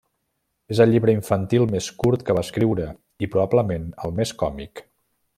És el llibre infantil més curt que va escriure i probablement el més còmic.